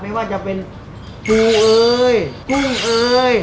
ไม่ว่าจะเป็นปูเอยกุ้งเอ่ย